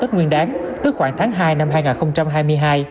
tết nguyên đáng tức khoảng tháng hai năm hai nghìn hai mươi hai